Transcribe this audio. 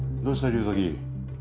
竜崎。